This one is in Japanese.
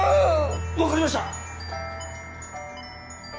わかりました！